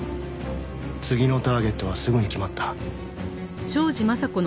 次のターゲットはすぐに決まった。